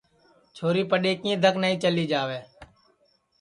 چھوری پڈؔیکِئیں دھک نائی چلی جاوے